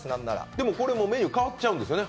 でも、メニュー変わっちゃうんですよね。